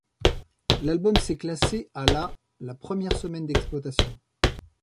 L'album s'est classé à la la première semaine d'exploitation.